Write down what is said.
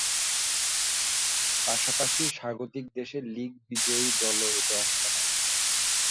পাশাপাশি স্বাগতিক দেশের লীগ বিজয়ী দলও এতে অংশ নেয়।